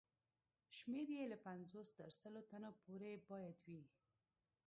شمېر یې له پنځوس تر سلو تنو پورې باید وي.